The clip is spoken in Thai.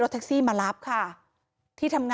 มีเรื่องอะไรมาคุยกันรับได้ทุกอย่าง